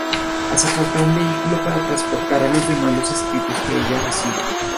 Hace falta un vehículo para transportar a los demás los Escritos que ella recibe.